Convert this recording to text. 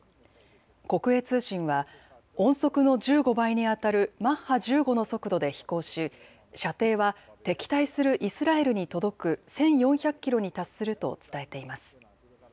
国営通信は音速の１５倍にあたるマッハ１５の速度で飛行し射程は敵対するイスラエルに届く１４００キロに達すると伝えています。